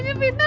ini babi aku